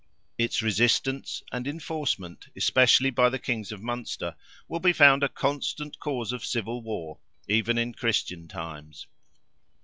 Its resistance, and enforcement, especially by the kings of Munster, will be found a constant cause of civil war, even in Christian times.